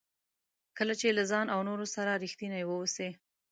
کله چې له ځان او نورو سره ریښتیني واوسئ.